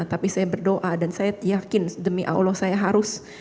tapi saya berdoa dan saya yakin demi allah saya harus